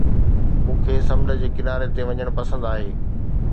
مون کي سمنڊ جي ڪناري تي وڃڻ پسند آهي.